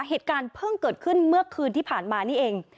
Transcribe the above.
เหตุการณ์เพิ่งเกิดขึ้นเมื่อคืนที่ผ่านมานี่เอง